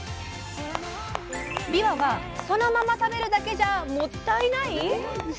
びわはそのまま食べるだけじゃもったいない⁉